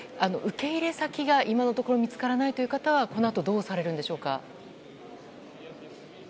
受け入れ先が今のところ見つからない方はこのあとどうされるんでしょうか。